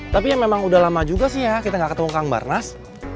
tapi ya memang udah lama juga sih ya kita gak ketemu kang barnas